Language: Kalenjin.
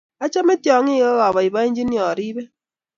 Achame tyong'ik ak apoipoenjini aripe